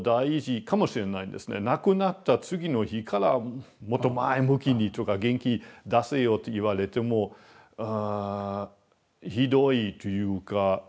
亡くなった次の日からもっと前向きにとか元気出せよと言われてもひどいというか。